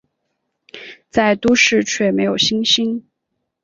在都市却没有星星